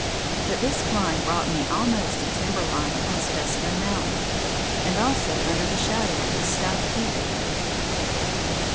But this climb brought me almost to timber line on Specimen Mountain, and also under the shadow of the south peak of it.